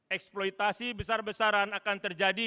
eksploitasi besar besaran akan terjadi